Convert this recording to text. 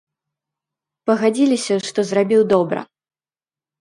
Пагадзіліся, што зрабіў добра.